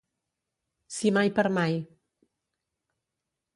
Si mai per mai.